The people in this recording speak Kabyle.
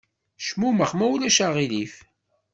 Cmumex ma ulac aɣilif!